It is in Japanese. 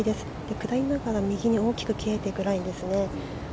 下りながら右に大きく切れていくラインです。